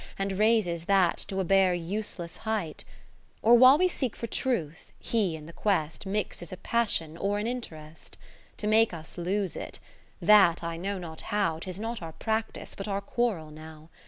And raises that to a bare useless height ; Or while we seek for Truth, he in the quest Mixes a Passion, or an Interest, To make us lose it ; that I know not how, 'Tis not our practice, but our quarrel now.